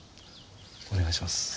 お願いします。